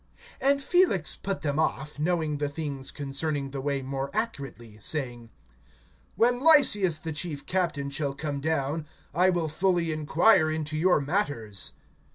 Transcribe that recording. (22)And Felix put them off, knowing the things concerning the Way more accurately, saying: When Lysias the chief captain shall come down, I will fully inquire into your matters.